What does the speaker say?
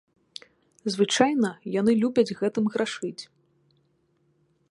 Звычайна яны любяць гэтым грашыць.